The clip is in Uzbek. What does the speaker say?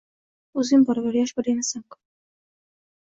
O`zing boraver, yosh bola emassan-ku